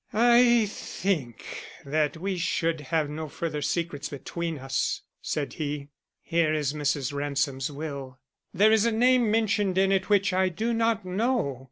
"I think that we should have no further secrets between us," said he. "Here is Mrs. Ransom's will. There is a name mentioned in it which I do not know.